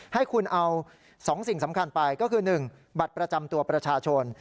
ให้คุณเอา๒สิ่งสำคัญไปก็คือ๑บัตรประจำตัวประชาชน